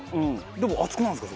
でも熱くなるんですか？